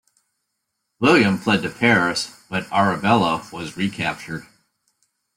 William fled to Paris, but Arabella was recaptured.